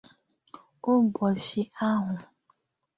Ụbọchị ahụ